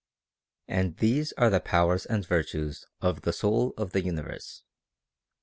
26. And these are the powers and virtues of the soul of the universe.